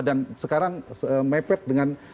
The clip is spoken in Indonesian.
dan sekarang mepet dengan